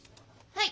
はい。